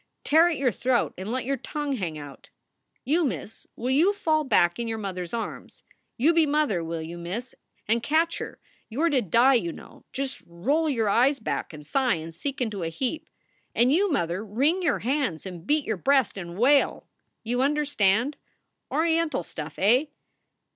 Tear at your throat and let your tongue hang out? ... You, miss, will you fall back in your mother s arms you be mother, will you, miss, and catch her you are to die, you know; just roll your eyes back and sigh and sink into a heap. And you, mother, wring your hands and beat your breast and wail. You under stand Oriental stuff, eh?